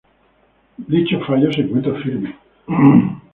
Dicho fallo se encuentra firme.